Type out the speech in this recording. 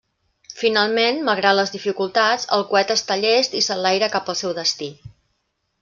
Finalment, malgrat les dificultats, el coet està llest i s'enlaira cap al seu destí.